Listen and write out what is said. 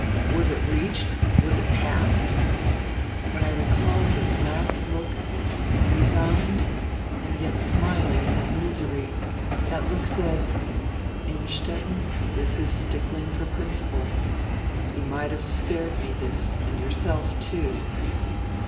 Was it reached? Was it passed? When I recall his last look, resigned and yet smiling in his misery, diat look said: 'Innstetten, this is stickling for principle. You might have spared me diis, and yourself, too.'